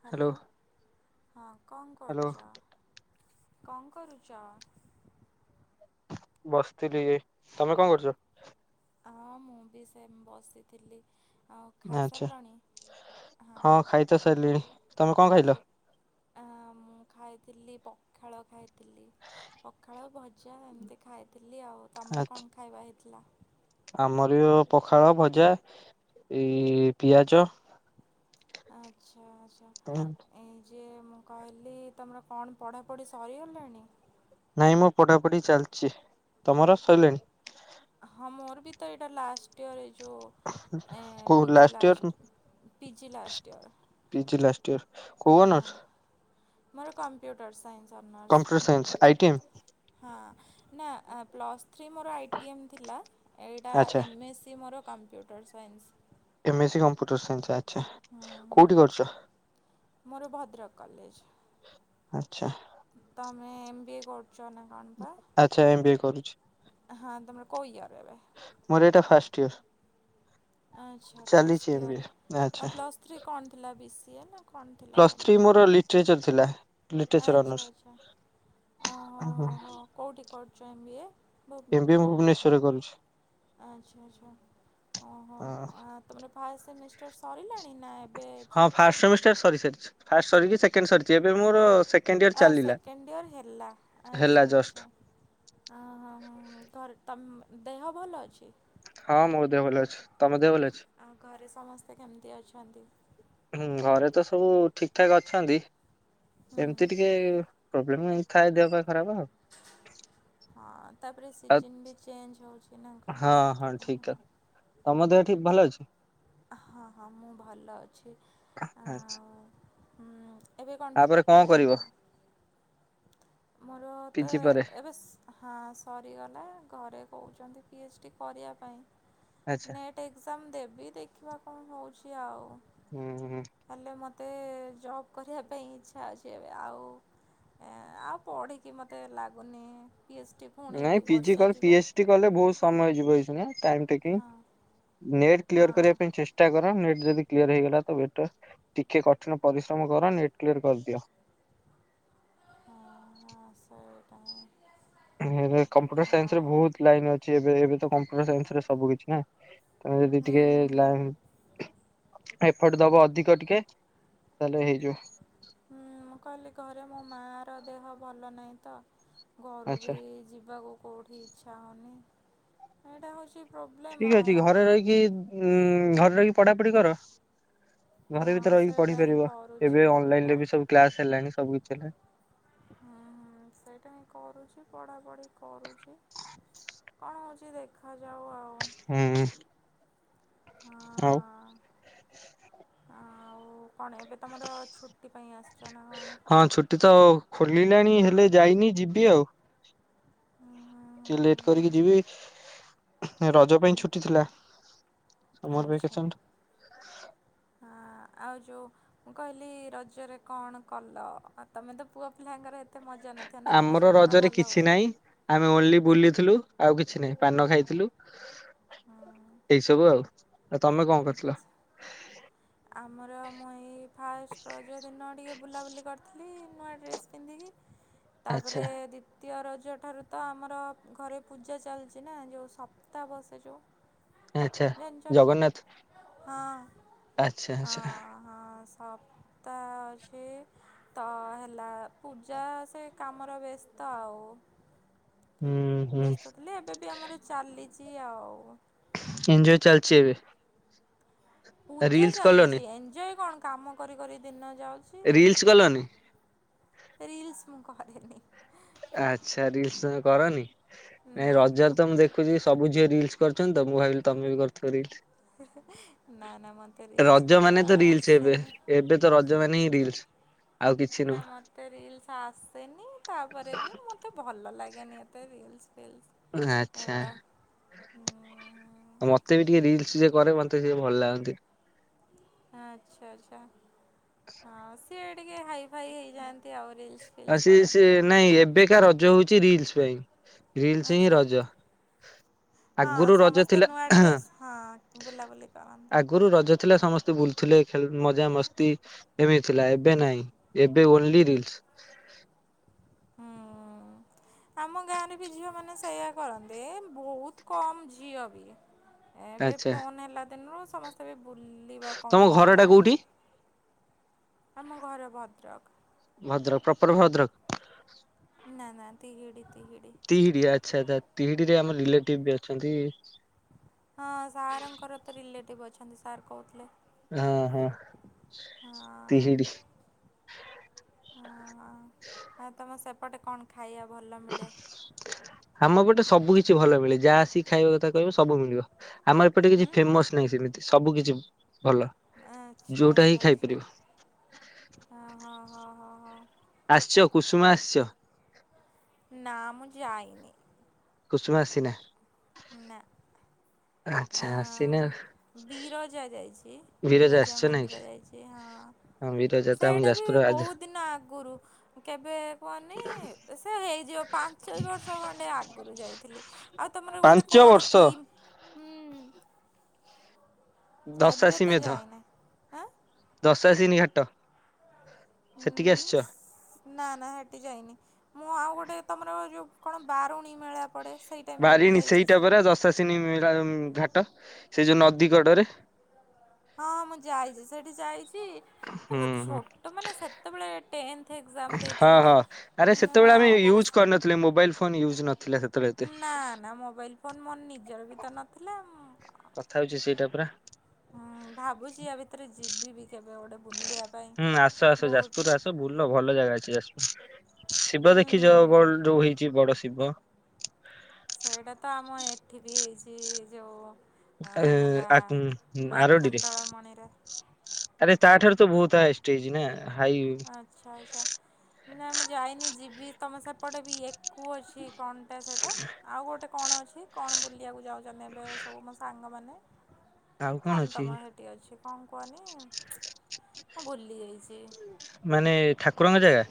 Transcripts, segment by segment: Hello ହଁ କଣ hello କରୁଛ କଣ କରୁଛ ବସିଥିଲି ଏଇ ତମେ କଣ କରୁଛ ହଁ ମୁଁ ବି ସେ ବସିଥିଲି ଆଉ ଖାଇସାରିଲଣି ହଁ ସିଲ [inaudible] ଆଜି ମୁଁ ଖାଇଥିଲି ପଖାଳ ଖାଇଥିଲି ପଖାଳ ଭଜା ଏମିତି ଖାଇଥିଲି ଆଉ ତମର କଣ ଖାଇବା ହେଇଥିଲା? ଆମରବି ଅ ପଖାଳ ଭଜା ଏଇ ପିଆଜ ଆଚ୍ଛା ଆଚ୍ଛା। ଏ ଯେ ମୁଁ କହିଲି ତୁମର କଣ ପଢ଼ାପଢ଼ି ସରିଗଲାଣି? ନାଇଁ ମୁଁ ପଢ଼ାପଢ଼ି ଚାଲିଛି ତମର ସରିଲଣି? ହଁ ମୋର ବି ତ ଏଇଟା ଲାଷ୍ଟ ଇୟର ଏ ଯଉଁ ଏ କୋଉ P G last year last P G last year. P G last year କଉଁ ହଁ ଅନର୍ସ? ମୋର computer science computer science I T M honours. ହଁ ନା ଆ ପ୍ଲସ୍ ଥ୍ରୀ ମୋର ଆଇ ଟି ଏମ୍ ଥିଲା। ଏଇଟା ଆଚ୍ଛା ଏମ୍ ଏସି ମୋର computer science. M S C computer science ଆଚ ଆଛା କୋଉଠି କରୁଛ? ମୋର ଭଦ୍ରକ କଲେଜ। ଆଛା। ତମେ ଏମ୍ ବି ଏ କରୁଛ ନା କଣପା? ଆଚ୍ଛା ଏମ ବି ଏ କରୁଛି। ହଁ ତମ କଉ ୟର ଏବେ? ମୋର ଏଇଟା ଫାଷ୍ଟ ଇୟର। ଆଚ୍ଛା ଚାଲିଛି first M B A. Year ଆଚ୍ଛା ଆଉ ପ୍ଲସ୍ ଥ୍ରୀ କଣ ଥିଲା ବି ସିଏ ନା କଣ ଥିଲା ପ୍ଲସ୍ ତମର ଥ୍ରୀ କଣ? ମୋର ଲିଟରେଚର ଥିଲା। ଲିଟରେଚର ଆଚ୍ଛା ଅନର୍ସ। ଆଚ୍ଛା। ଓଁ ହଁ ହଁ ହଁ କେଉଁଠି କରୁଛ ଏମ ବି ଏମ୍ ଏ ବି ଭୁବ ମୁଁ ଗ ଭୁବନେଶ୍ୱରରେ କରୁଛି। ଆଚ୍ଛା ଆଚ୍ଛା ଓହୋ ହଁ। ଆ ତୁମର ଫାଷ୍ଟ ସେମିଷ୍ଟର୍ ସରିଲାଣି ନା ଏବେଜ ହଁ ଫାଷ୍ଟ ସେମିଷ୍ଟାର୍ ସରି ସାରିଛି ଫାଷ୍ଟ ସରିକି ସେକେଣ୍ଡ ସରିଛି ଏବେ ମୋର ସେ ଆ ସେକେଣ୍ଡ ଇୟର୍ ହେଲା ହେଲା ଆଚ୍ଛା ଜଷ୍ଟ। ଆଚ୍ଛା। ହଁ ହଁ ହଁଁ ଘରେ ତମ ଦେହ ଭଲ ଅଛି? ହଁ ମୁଁ ଦେହ ବୋଲି ଅଛି ତମେ ଦେହ ଭଲ ଅଛି। ଆଉ ଘରେ ସମସ୍ତେ କେମିତି ଅଛନ୍ତି? ହୁଁ ଘରେ ତ ସବୁ ଠିକ ଠାକ ଅଛନ୍ତି ହୁଁ ଏମିତି ଟିକେ ପ୍ରୋବ୍ଲେମ୍ ଏମତି ଥାଏ ଦେହପା ଖରାପ ଆଉ। ହଁ ତାପରେ ଆଉ ସିଜନ୍ ବି ଚେଞ୍ଜ ହଉଛି ନା ହଁ କଣ ହଁ ଠିକ ସେଥିପାଇଁ ତମ ଦେହ ଠିକ ଭଲ ଅଛି। ହଁ ହଁ ମୁଁ ଭଲ ଅଛି। ଆଚ୍ଛା। ହ ଏବେ କଣ ତାପରେ ଛୁଟି ଅଛି କରିବ ନା କଣ? ମୋର ତ ପିଜି ପରେ? ଏବେସ ହଁ ସରିଗଲା ଘରେ କହୁଛନ୍ତି ପି ଏଚ୍ ଡି କରିବା ପାଇଁ ଆଚ୍ଛା। ନେଟ୍ ଟେ ଏକଜାମ ଦେବି ଦେଖିବା କଣ ହେଉଛି ଆଉ। ହୁଁ ହଁ। ହେଲେ ମୋତେ ଜବ୍ କରିବା ପାଇଁ ଇଚ୍ଛା ଅଛି ଏବେ ଆଉ ଏ ଆଉ ପଢ଼ିକି ମୋତେ ଲାଗୁନି ପି ଏଚ୍ ଡ଼ି ନାଇଁ ପିଜି କର ପି ଏସ କଲେ ବହୁତ ସମୟ ହେଇଯିବ ଏଇକିନା ଟାଇମ ଟେକି ହଁ ନେଟ୍ ହଁ କ୍ଳିଅର କରିବା ପାଇଁ ଚେଷ୍ ଚେଷ୍ଟା କର ନେଟ୍ ଯଦି କ୍ଲିୟର ହେଇଗଲା ତ ବେଟର ଟିକେ କଠିନ ପରିଶ୍ରମ କର ନେଟ୍ କ୍ଲିୟର କରିଦିଅ। ହ ହ ସ କମ୍ପୁଟର ସାଇନ୍ସରେ ଆଉ ବହୁତ ଲାଇନ ଅଛି ଏବେ ଏବେ ତ କମ୍ପ୍ୟୁଟର ସାଇନ୍ସରେ ସବୁ କିଛି ନା। ତମେ ଯଦି ହୁଁ ଟିକେ ହୁଁ ହୁଁ ଲାଇ ଏଫର୍ଟ ଦବ ଅଧିକ ଟିକେ ତାହେଲେ ହେଇଯିବ। ହଁ ମୁଁ କହିଲି ଘରେ ମୋ ମା ର ଦେହ ଭଲ ନାହିଁ ତ। ଘରୁ ଆଚ୍ଛା। ବି ଯିବାକୁ କୋଉଠି ଇଚ୍ଛା ହେଉନି ଏଇଟା ହେଉଛି ପ୍ରୋବ୍ଲେମ୍ ଠିକ ଆଉ ଅଛି ଘରେ ଆଉ ରହିକି ଉ ଘରେ ରହିକି ପଢାପଢି କର। ଘରେ ହଁ ଭିତରେ ରହିକି ସେଇଟା ହିଁ ପଢିପାରିବ କରୁଛି ଏବେ ଆଉ ଅନଲାଇନ ରେ ପ- ବି ସବୁ କ୍ଲାସ ହେଲାଣିି ସବୁ କିଛି ହେଲାଣି। ହୁଁ-ହୁଁ ସେଇଟା ହିଁ କରୁଛି ପଢାପଢି କରୁଛି। କଣ ହଉଛି ଦେଖାଯାଉ ଆଉ। ହୁଁ ଉଁ ଆଉ ହଁ। ଆଉ କଣ ଏବେ ତମର ଛୁଟି ପାଇଁ ଆସିଛ ନା କଣ? ହଁ ଛୁଟି ତ ଖୋଲିଲାଣି ହେଲେ ଯାଇନି ଯିବି ଆଉ। ହୁଁ ହୁଁ ଟିକେ ହୁଁ ଲେଟ ହୁଁ ହୁଁ କରିକି ଯିବି। ରଜ ପାଇଁ ଛୁଟି ଥିଲା ସମର ଆଚ୍ଛା ଭ୍ୟାକେସନ୍। ହଁ ଆଉ ଯୋଉ ମୁଁ କହିଲି ରଜରେ କଣ କଲ ଆଉ ତମେ ତ ପୁଅ ପିଲାଙ୍କର ଏ ଏତେ ମଜା ନଥିବ ନା ତମ ଆମର ସେପଟେ ରଜରେ ଭଲ କିଛି ହୁଏ। ନାହିଁ ଆମେ ଓନ୍ଲି ବୁଲିଥିଲୁ ଆଉ କିଛି ନାହିଁ ପାନ ଖାଇଥିଲୁ। ହୁଁ ଏଇ ସବୁ ଆଉ-ଆଉ ତମେ କଣ କରିଥିଲ? ଆମର ମୁଁ ଏଇ ଫାଷ୍ଟ ରଜ ଦିନ ଟିକିଏ ବୁଲାବୁଲି କରିଥିଲି ନୂଆ ଡ୍ରେସ୍ ପିନ୍ଧିକି ଆଚ୍ଛା ତାପରେ ଦ୍ଵି ଦ୍ବିତୀୟ ରଜ ଠାରୁ ତ ଆମର ଘରେ ପୂଜା ଚାଲିଛି ନା ଯୋଉ ସପ୍ତା ବସେ ଯୋଉ। ଆଚ୍ଛା ଜାଣିଛ ଜଗନ୍ନାଥ ଏଇଟା ଆଚ୍ଛା ହଁ-ହଁ। ଆଚ୍ଛା ହଁ ସପ୍ତା ଅଛି। ତ ହେଲା ପୂଜା ସେ କାମର ବ୍ୟସ୍ତ ଆଉ। ହୁଁ ହୁଁ ବ୍ୟସ୍ତ ଥିଲେ ଏବେ ବି ଆମର ଚାଲିଛି ଆଉ। ଏନ୍ଜୟ ଚାଲିଛି ଏବେ। ପୂଜା ରିଲସ କଲନି ଚାଲିଛି ଏନ୍ଜୟ କଣ କାମ କରି-କରି ଦିନ ଯାଉଛି। ରିଲସ ଏନ୍ଜୟ କଲନି କଣ ରିଲ୍ସ ମୁଁ କରେନି। ଆଚ୍ଛା ରିଲ୍ସ ତମେ କରନି ନାଇ ନା ନା। ରଜରେ ତ ମୁଁ ଦେ ଦେଖୁଛି ସବୁ ଝିଅ ରିଲ୍ସ କରୁଛନ୍ତି ତ ମୁଁ ଭାବିଲି ତମେ ବି କରୁଥିବ ନା ନା ମୋତେ ରିଲ୍ସ। ରିଲ୍ସ ରଜ କରିବା ମାନେ ତ ରିଲ୍ସ ଆସେନି। ଏବେ-ଏବେ ତ ରଜ ମାନେ ହିଁ ରିଲ୍ସ। ନା ମତେ ରିଲ୍ସ ଆସେନି ତାପରେ ବି ମତେ ଭଲ ଲାଗେ ଲାଗେନି ଏତେ ରିଲ୍ସ ଫିଲ୍ସ। ଆଚ୍ଛା। ଏଗୁଡ଼ା ହୁଁ। ମତେ ବି ଟିକେ ରିଲ୍ସ ଯିଏ କରେ ମତେ ସିଏ ଭଲ ଲାଗନ୍ତି। ଆଚ୍ଛା-ଆଚ୍ଛା ହଁ ସିଏ ଟିକେ ହାଇ ଫାଇ ହେଇଯାଆନ୍ତି ଆଉ। ରିଲ୍ସ ଫିଲ୍ସ କରନ୍ତି ଆଉ ମୁଁ ତ ଏଇକା ରଜ ହଉଛି ରିଲ୍ସ ପାଇଁ ରିଲ୍ସ ହିଁ ଆଚ୍ଛା। ରଜ। ହଁ ଆଗରୁ ରଜ ସମସ୍ତେ ଥିଲା ନୂଆ ଡ୍ରେସ୍ ହଁ ବୁଲାବୁଲି କରନ୍ତି। ଆଗରୁ ରଜ ଥିଲା ସମସ୍ତେ ବୁଲୁଥିଲେ ଖେଳୁ ମଜା ମସ୍ତି ଏମିତି ଥିଲା ଏବେ ନାଇଁ। ଏବେ ଓନ୍ଲି ରିଲ୍ସ। ହୁଁ। ଆମ ଗାଁରେ ବି ଝିଅମାନେ ସେୟା କରନ୍ତି ଏ ବହୁତ କମ ଝିଅ ବି। ଏବେ ଆଚ୍ଛା ଫୋନ ହେଲା ଦିନରୁ ସମସ୍ତେ ବି ବୁଲିବା ତମ ଘର ଟା କମିଗଲାଣି। କୋଉଠି? ଆମ ଘର ଭଦ୍ରକ। ଭଦ୍ରକ ପ୍ରପର ଭଦ୍ରକ। ନା-ନା ତିହିଡି-ତିହିଡି। ତିହିଡି ଆଚ୍ଛା-ଆଚ୍ଛା ତିହିଡିରେ ଆମର ରିଲେଟିଭ୍ ବି ଅଛନ୍ତି। ହଁ ସାରଙ୍କର ତ ରିଲେଟିଭ୍ ଅଛନ୍ତି ସାର କହୁଥିଲେ। ହଁ ହଁ ହଁ ଅଁ। ତିହିଡି ହଁ ଅଁ ଆଉ ତମେ ସେପଟେ କଣ ଖାଇବା ଭଲ ମିଳେ? ଆମ ପଟେ ସବୁ କିଛି ଭଲ ମିଳେ ଯାହା ଆସିକି ଖାଇବା କଥା କହିବ ସବୁ ମିଳିବ। ଆମର ଏପଟେ କିଛି ହୁଁ ଫେମସ ନାହିଁ ସେମିତି ସବୁ କିଛି ଭଲ। ଆଚ୍ଛା ଯୋଉଟା ହିଁ ଆଚ୍ଛା ଆଚ୍ଛା ଖାଇପାରିବ ହଁ ହଁ ହଁ ହଁ ହଁ। ଆସିଛ କୁସୁମା ଆସିଛ। ନା ମୁଁ ଜାଇନି। କୁସୁମା ଆସିନା। ନା। ଆଚ୍ଛା ଆସିନା। ବିରଜା ଯାଇଛି ବିରଜା ଆସିଛ ନାଇଁ କି ମନ୍ଦିର ଯାଇଛି ହଁ। ହଁ ବିରଜା। ତ ଆମ ସେଇଟା ବି ଯାଜପୁର ରାଜ ବହୁତ ଦିନ ଆଗରୁ କେବେ କୁହନି ସେ ହେଇଯିବ ପାଞ୍ଚ ବର୍ଷ ଖଣ୍ଡେ ଆଗରୁ ଯାଇଥିଲି ଆଉ ତୁମର ଗୋଟେ ପାଞ୍ଚ କଣ ବର୍ଷ କିମ୍ ହୁଁ। ଦଶା ଏବେ ସି ତ ମେଧ। ଯାଇନି ଆଁ ଦଶାସିନୀ ଘାଟ ସେଠିକି ଆସିଛ? ହୁଁ ନା ନା ହେଠି ଯାଇନି ମୁଁ ଆଉ ଗୋଟେ ତମର ଯଉ କଣ ବାରୁଣୀ ମେଳା ପଡ଼େ ସେଇ ଟାଇମ୍ର ବି ଯାଇଛି ସେ ସସିନି ମେଳା ଘାଟ ସେ ଯୋଉ ନଦୀ କଡରେ ହଁ ମୁଁ ଯାଇଛି ସେଠି ଯାଇଛି ଏ ହୁଁ ମୁଁ ଛୋ ହୁଁ ତମାନେ ସେତେବେଳେ ଟେନ୍ଥ ଏକ୍ଜାମ ଦେଇଥିଲି ହଁ ନା ହଁ ଆରେ ମୁଁ ସେତେବେଳେ ଆମେ ଆଉ ମୋର ୟୁଜ୍ କରିନଥିଲେ ମୋବାଇଲ ଫୋନ୍ ୟୁଜ୍ ନଥିଲା ସେ ନା ନା ମୋବାଇଲ ଫୋନ ମୋର ନିଜର ବି ତ ନଥିଲା କଥା ହଉଛି ସେଇଟା ପରା। ହୁ ଭାବୁଛି ୟା ଭିତରେ ଯିବି ବି କେବେ ଗୋଟେ ବୁଲିବା ପାଇଁ ହୁଁ ଆସ ଆସ ବହୁତ ଯାଜପୁର ଆସ ବୁଲ ଭଲ ଜାଗା ଅଛି ଯାଜପୁର ଶିବ ଦେଖିଛ ହୁଁ ଗୋଲ ଯୋଉ ହେଇଛି ବଡ ଶିବ ସେଇଟା ତ ଆମ ଏଠି ବି ହେଇଛି ଯୋଉ ହେଲା ଆରୋଡିରେ ଆଖଣ୍ଡଳ ମଣିରେ ଆରେ ତା ଠାରୁ ତ ବହୁତ ହାଏଷ୍ଟେ ହୋଇଛି ନା ହାଇ ଆଚ୍ଛା ଆଚ୍ଛା ନା ମୁଁ ଯାଇନି ଯିବି ତମ ସେପଟେ ବି ଏକୁ ଅଛି କଣ ସେଇଟା ସେଇଟା ଆଉ ଗୋଟେ କଣ ଅଛି କଣ ବୁଲିବାକୁ ଯାଉଛନି ଏବେ ସବୁ ମୋ ସାଙ୍ଗମାନେ। ଆଉ କଣ ଅଛି ତମ ସେଠି ଅଛି କଣ କୁହନି ମୁଁ ଭୁଲି ଯାଇଛି। ମାନେ ଠାକୁରଙ୍କ ଜାଗା।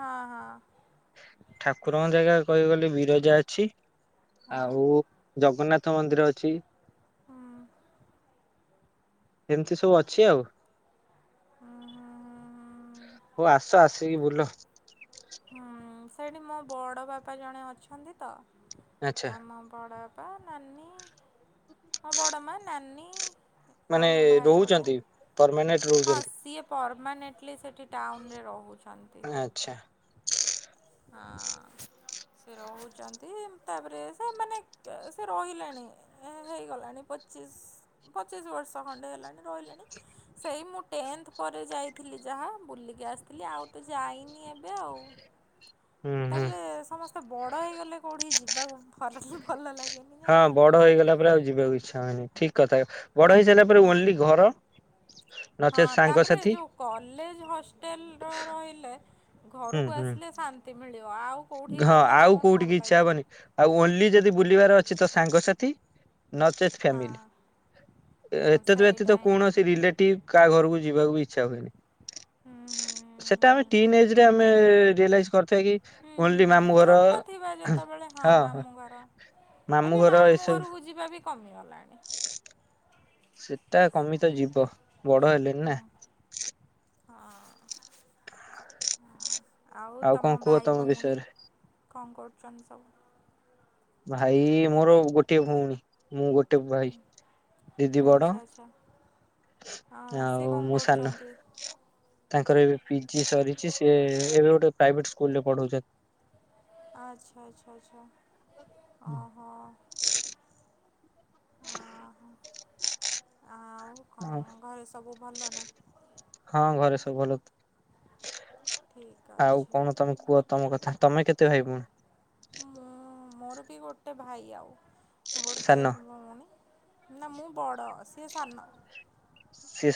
ହଁ ହଁ। ଠାକୁରଙ୍କ ଜାଗା କହିବାଗଲେ ବିରଜା ଅଛି ହଁ ଆଉ ଜଗନ୍ନାଥ ମନ୍ଦିର ଅଛି। ହଁ। ଏମିତି ସବୁ ଅଛି ଆଉ। ହୁଁ ହୁଁ ହୁଁ। ହଉ ଆସ ଆସିକି ବୁଲ। ହୁଁ ସେଇଠି ମୋ ବଡ଼ ବାପା ଜଣେ ଅଛନ୍ତି ତ ଆଚ୍ଛା ଆମ ବଡ଼ ବାପା ବାପ ନାନି। ହଁ ବଡ଼ମା ନାନୀ। ଆଉ ମାନେ ମୋ ଭାଇ ଗୋଟେ ରହୁଛନ୍ତି ପରମାନେଣ୍ଟ। ହଁ ରହୁଛନ୍ତି ସିଏ ପରମାନେେଣ୍ଟଲି ସେଠି ଟାଉନରେ ରହୁଛନ୍ତି। ଆଚ୍ଛା। ହ। ସେ ରହୁଛନ୍ତି ତାପରେ ସେମାନେ ସେ ରହିଲେଣି। ଏ ହେଇଗଲାଣି ପଚିଶ ପଚିଶ ବର୍ଷ ଖଣ୍ଡେ ହେଲାଣି ରହିଲେଣି। ସେଇ ମୁଁ ଟେନ୍ଥ ପରେ ଯାଇଥିଲି ଯାହା ବୁଲିକି ଆସିଥିଲି ଆଉ ତ ଯାଇନି ଏବେ ଆଉ। ହୁଁ ହୁଁ। ତାପରେ ସମସ୍ତେ ବଡ଼ ହେଇଗଲେ କଉଠିକି ଯିବାକୁ ଭଲ ଭଲ ଲାଗେ ହଁ ବଡ ହେଇଗଲା ପରେ ଆଉ ଯିବାକୁ ଇଛା ହୁଏନି ଠିକ କଥା ବଡ ହେଇସାଇଲା ପରେ ଓନ୍ଲି ଘର ନଚେତ୍ ହଁ ତାପରେ ସାଙ୍ଗସାଥି। ଯୋଉ କଲେଜ ହଷ୍ଟେଲର ରହିଲେ ହୁଁ ଘରକୁ ହୁଁ ଆସିଲେ ଶାନ୍ତି ମିଳିବ ଆଉ କୋଉଠିକି ହଁ ଗଲେ ଆଉ କଣ ଭଲ କୋଉଠିକି ଇଚ୍ଛା ଲାଗେ। ହବନି। ଆଉ ଓନ୍ଲି ଯଦି ବୁଲିବାର ଅଛି ତ ସାଙ୍ଗସାଥି ନଚେତ୍ ହଁ। ହଁ ଏତେତ ବ୍ୟତୀତ ସେଇଟା ହିଁ କୌଣସି ରିଲେଟିଭ କାହା ଘରକୁ ଯିବାକୁ ବି ଇଚ୍ଛା ହୁଏନି। ହୁଁ ହୁଁ ସେଟା ଆମେ ଟିନ ଏଜରେ ଆମେ ରିଅଲାଇଜ କରିଥିବା କି ହୁଁ ହୁଁ ଓନ୍ଲି ହୁଁ ମାମୁଁ ଘର ଛୋଟ ଥିବା ଯେତେବେଳେ ହଁ ମାମୁଁ ଘର ଏବେ ଘର ମାମୁଁ ଏସବୁ ଘରକୁ ଯିବା ବି କମିଗଲାଣି। ସେଟା କମି ତ ଯିବ ବଡ ହେଲେଣିି ନା। ହଁ। ଆଉ କଣ ତମ କୁହ ଭାଇ ଭଉଣୀ ବିଷୟରେ କଣ କରୁଛନ୍ତି ସବୁ? ଭାଇ ମୋର ଗୋଟିଏ ଭଉଣୀ ମୁଁ ଗୋଟେ ଭାଇ। ଦିଦି ବଡ ଆଚ୍ଛା ଆଚ୍ଛା। ହଁ ସେ ଆଉ କଣ ମୁଁ ସାନ। କରୁଛନ୍ତି? ତାଙ୍କର ଏବେ ପିଜି ସରିଛି ସେ ଏବେ ଗୋଟେ ପ୍ରାଇଭେଟ ସ୍କୁଲରେ ପଢଉଛନ୍ତି। ଆଚ୍ଛା ଆଚ୍ଛା ଆଚ୍ଛ ଓ ହୋ। ଆଉ ଆଉ କଣ ଘରେ ସବୁ ଭଲ ନା? ହଁ ଘରେ ସବୁ ଭଲ, ଠିକ୍ ଆଉ ଅଛି। କଣ ତମେ କୁହ ତମ କଥା, ତମେ କେତେ ଭାଇ ଭଉଣୀ? ମୁଁ ମୋର ବି ଗୋଟେ ଭାଇ ଆଉ ଗୋଟେ ସାନ? ଭଉଣୀ। ନା ମୁଁ ବଡ ସିଏ ସାନ।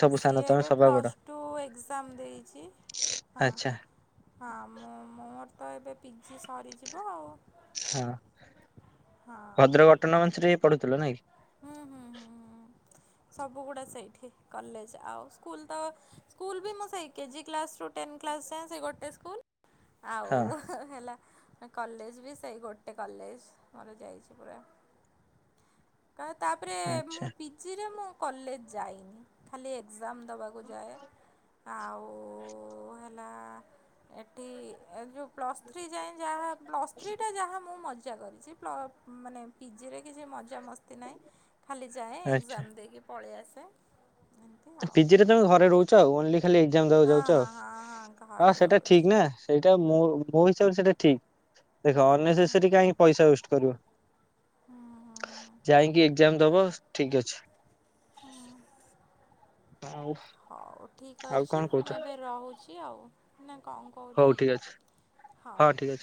ସବୁ ସାନ ସିଏ ତମେ ଏବେ ସବା ବଡ ପ୍ଲସ୍ ଟୁ ଏକ୍ଜାମ ଦେଇଛି ହଁ। ଆଚ୍ଛା ହଁ ମୁଁ ମୋର ତ ଏବେ ପିଜି ସରିଯିବ ଆଉ। ହଁ ହଁ। ଭଦ୍ରକ ଅଟୋନମସରେ ହିଁ ପଢୁଥିଲ ନାଇଁ କି? ସବୁ ଗୁଡା ସେଇଠି କଲେଜ, ଆଉ ସ୍କୁଲ ତ ସ୍କୁଲ ବି ମୁଁ ସେ କେଜି କ୍ଲାସ ରୁ ଟେନ୍ କ୍ଲାସ ଯାଏଁ ସେ ଗୋଟେ ସ୍କୁଲ। ହଁ ଆଉ ହ-ହେଲା କଲେଜ ବି ସେଇ ଗୋଟେ କଲେଜ ମୋର ଯାଇଛି ପୁରା। କ ତାପରେ ଆଚ୍ଛା ମୁଁ ପି ଜି ରେ ମୁଁ କଲେଜ ଯାଇନି, ଖାଲି ଏକ୍ଜାମ ଦେବାକୁ ଯାଏ। ଆଉ ହେଲା ଏଠି ଏ ଯୋଉ ପ୍ଲସ୍ ଥ୍ରୀ ଯାଏଁ ଯାହା ପ୍ଲସ୍ ଥ୍ରୀଟା ଯାହା ମୁଁ ମଜା କରିଛି, ପ୍ଳ ମାନେ ପି ଜି ରେ କିଛି ମଜାମସ୍ତି ନାହିଁ, ଖାଲି ଯାଏ ଆଚ୍ଛା ଏକ୍ଜାମ ଦେଇକି ପଳେଇ ଆସେ। ଏମିତି ଆଉ ପି ଜି ରେ ତମେ ଘରେ ରହୁଛ ଆଉ, ଓନ୍ଲି ଖାଲି ଏକ୍ସାମ ଦବାକୁ ହଁ ଯାଉଛ ହଁ ହଁ ହଁ ଆଉ ଘରେ ସେଇଟା ରହୁଛି ଠିକ ନା। ସେଇଟା ମୋ ମୋ ହିସାବରେ ସେଇଟା ଠିକ ଦେଖ ଅନେସେସରୀ କାହିଁକି ପଇସା ୱେଷ୍ଟ କରିବ। ହୁଁ ହୁଁ ଯାଇଙ୍କି ଏକ୍ଜାମ ଦବ ଠିକ ଅଛି। ହଁ। ଆଉ? ହଉ ଠିକ୍ ଆଉ ଅଛି, କଣ କହୁଛ ମୁଁ ଏବେ ରହୁଛି ଆଉ। ନା କଣ ହଉ କହୁଛ, ଠିକ ଅଛି ହଁ ହଉ। ଠିକ ଅଛି।